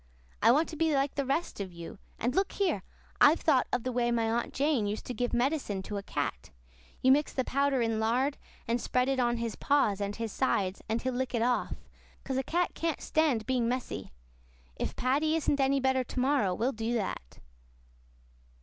I want to be like the rest of you. And look here! I've thought of the way my Aunt Jane used to give medicine to a cat. You mix the powder in lard, and spread it on his paws and his sides and he'll lick it off, 'cause a cat can't stand being messy. If Paddy isn't any better to morrow, we'll do that."